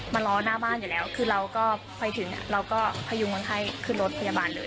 มารอหน้าบ้านอยู่แล้วคือเราก็ไปถึงเราก็พยุงคนไข้ขึ้นรถพยาบาลเลย